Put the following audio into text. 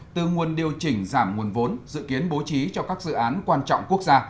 từ nguồn điều chỉnh giảm nguồn vốn dự kiến bố trí cho các dự án quan trọng quốc gia